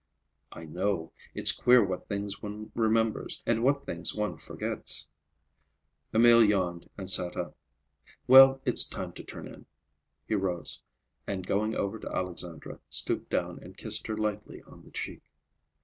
"I know. It's queer what things one remembers and what things one forgets." Emil yawned and sat up. "Well, it's time to turn in." He rose, and going over to Alexandra stooped down and kissed her lightly on the cheek.